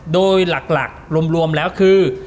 โดยหลักรวมแล้วคือ